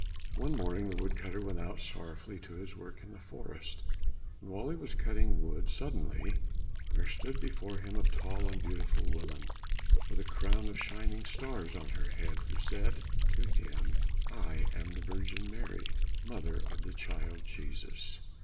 One morning the wood cutter went out sorrowfully to his work in the forest, and while he was cutting wood, suddenly there stood before him a tall and beautiful woman with a crown of shining stars on her head, who said to him, "I am the Virgin Mary, mother of the child Jesus.